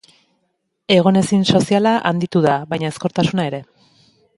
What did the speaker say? Egonezin soziala handitu da, baita ezkortasuna ere.